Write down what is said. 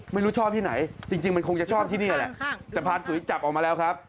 ไม่รู้ชอบที่ไหนจริงมันคงจะชอบที่นี่แหละแต่พานตุ๋ยจับออกมาแล้วครับ